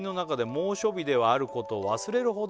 「猛暑日ではあることを忘れるほど涼しく」